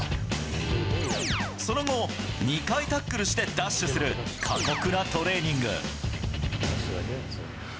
その後、２回タックルしてダッシュする過酷なトレーニング。